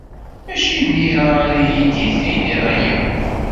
Maci imir-a ara iyi-d-tinid aya.